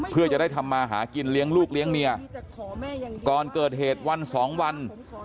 เพื่อจะได้ทำมาหากินเลี้ยงลูกเลี้ยงเมียก่อนเกิดเหตุวันสองวัน